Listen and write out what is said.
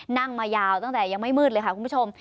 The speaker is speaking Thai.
นั่งมายาวตั้งแต่ยังไม่มืดเลยค่ะคุณผู้ชม